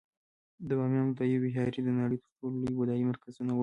د بامیانو بودایي ویهارې د نړۍ تر ټولو لوی بودایي مرکزونه وو